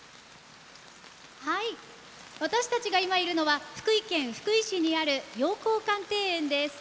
私たちがいるのは福井県福井市にある養浩館庭園です。